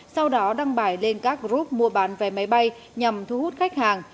sau đó đăng bài lên các group mua bán vé máy bay nhằm thu hút khách hàng